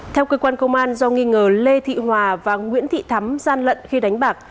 theo cơ quan công an do nghi ngờ lê thị hòa và nguyễn thị thắm gian lận khi đánh bạc